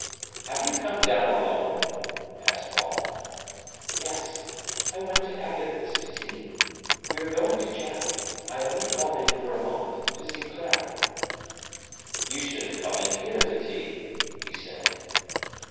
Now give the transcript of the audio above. "Have you come down alone?" asked Paul. "Yes; I went to Agatha's to tea. We are going to chapel. I only called in for a moment to see Clara." "You should have come in here to tea," he said.